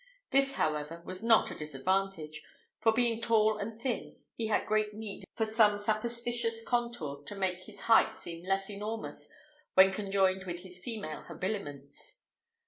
This, however, was not a disadvantage; for being tall and thin, he had great need of some supposititious contour to make his height seem less enormous when conjoined with his female habiliments.